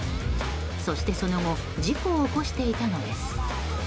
そしてその後事故を起こしていたのです。